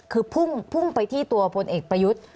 คือพุ่งไปที่ตัวพลเอกประยุทธ์